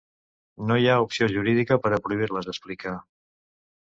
No hi ha opció jurídica per a prohibir-les, explica.